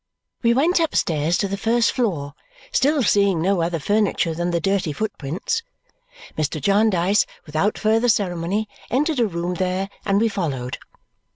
We went upstairs to the first floor, still seeing no other furniture than the dirty footprints. Mr. Jarndyce without further ceremony entered a room there, and we followed.